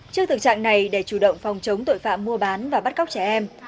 trước thực trạng này để chủ động phòng chống tội phạm mua bán và bắt cóc trẻ em